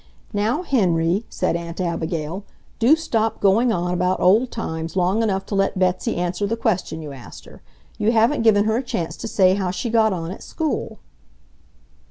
"Now, Henry," said Aunt Abigail, "do stop going on about old times long enough to let Betsy answer the question you asked her. You haven't given her a chance to say how she got on at school."